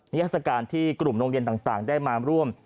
นิทัศกาลที่กลุ่มโรงเรียนต่างได้มาร่วม